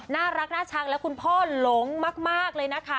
น่ารักน่าชังแล้วคุณพ่อหลงมากเลยนะคะ